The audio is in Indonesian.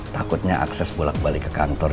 takutnya akses bolak balik ke kantor